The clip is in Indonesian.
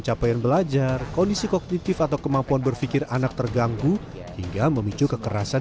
capaian belajar kondisi kognitif atau kemampuan berpikir anak terganggu hingga memicu kekerasan